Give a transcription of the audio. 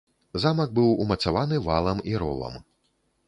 Замак быў умацаваны валам і ровам.